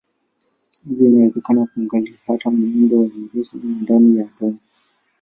Hivyo inawezekana kuangalia hata muundo wa virusi na ndani ya atomi.